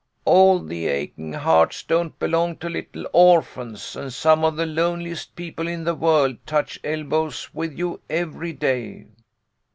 " All the aching hearts don't belong to little orphans, and some of the loneliest people in the world touch elbows with you every day."